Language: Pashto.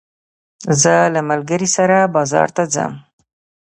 زه له ملګري سره بازار ته ځم.